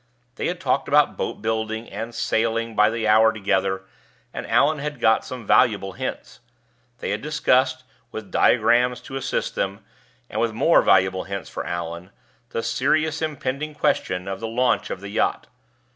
They had talked about boat building and sailing by the hour together, and Allan had got some valuable hints. They had discussed (with diagrams to assist them, and with more valuable hints for Allan) the serious impending question of the launch of the yacht.